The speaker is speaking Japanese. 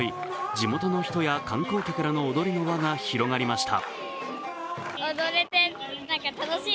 地元の人や観光客らの踊りの輪が広がりました。